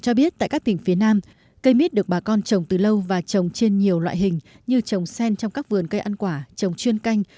cho biết tại các tỉnh phía nam cây mít được bà con trồng từ lâu và trồng trên nhiều loại hình như trồng sen trong các vườn cây ăn quả trồng chuyên canh